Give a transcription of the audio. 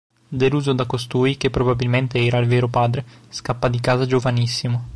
Deluso da costui, che probabilmente era il vero padre, scappa di casa giovanissimo.